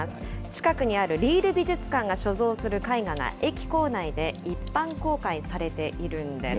近くにあるリール美術館が所蔵する絵画が、駅構内で一般公開されているんです。